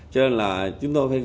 cho nên là chúng tôi phải gỡ